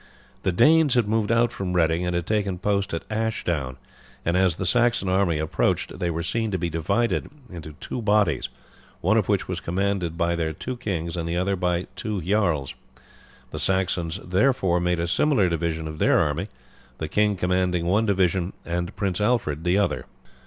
The Danes had moved out from Reading and had taken post at Ashdown, and as the Saxon army approached they were seen to be divided into two bodies, one of which was commanded by their two kings and the other by two jarls. The Saxons therefore made a similar division of their army, the king commanding one division and Prince Alfred the other.